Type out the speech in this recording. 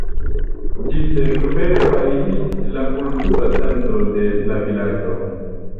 Ĝi sekve fariĝis la kultura centro de la vilaĝo.